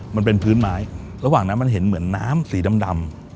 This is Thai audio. มันเป็นพื้นไม้ระหว่างนั้นมันเห็นเหมือนน้ำสีดำ